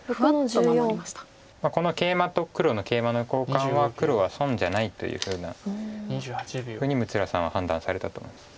このケイマと黒のケイマの交換は黒は損じゃないというふうに六浦さんは判断されたと思います。